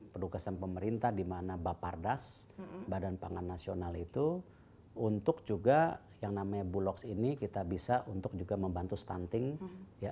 perukesan pemerintah di mana bapardas badan pangan nasional itu untuk juga yang namanya bulog ini kita bisa untuk juga membantu stunting ya